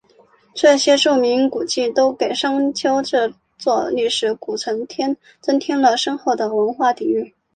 这些著名古迹都给商丘这座历史古城增添了深厚的文化底蕴。